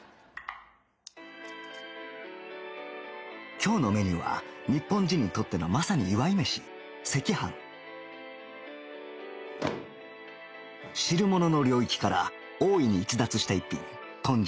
今日のメニューは日本人にとってのまさに祝い飯赤飯汁物の領域から大いに逸脱した一品豚汁